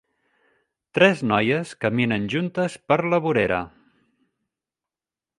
Tres noies caminen juntes per la vorera.